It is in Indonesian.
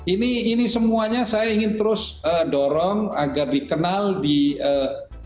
ini ini semuanya saya ingin terus dorong agar dikenal di ee